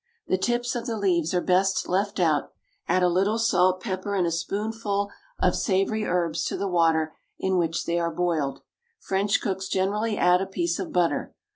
The tips of the leaves are best left out; add a little salt, pepper, and a spoonful of savoury herbs to the water in which they are boiled. French cooks generally add a piece of butter.